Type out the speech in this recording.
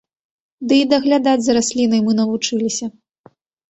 Ды і даглядаць за раслінай мы навучыліся.